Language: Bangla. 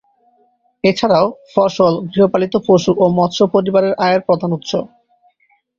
এছাড়াও ফসল, গৃহপালিত পশু ও মৎস্য পরিবারের আয়ের প্রধান উৎস।